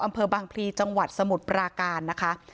อำเภอบางพลีจังหวัดสมุทรปราการนะคะ